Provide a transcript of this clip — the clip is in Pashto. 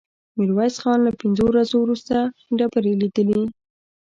ميرويس خان له پنځو ورځو وروسته ډبرې ليدلې.